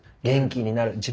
元気になる。